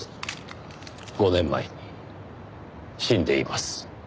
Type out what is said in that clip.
５年前に死んでいます。